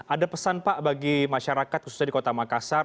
ada pesan pak bagi masyarakat khususnya di kota makassar